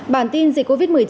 bản tin dịch covid một mươi chín